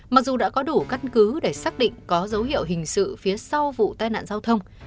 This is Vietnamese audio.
mặc dù đã có đủ căn cứ để xác định có dấu hiệu hình sự phía sau vụ tai nạn giao thông